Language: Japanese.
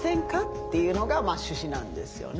っていうのが趣旨なんですよね。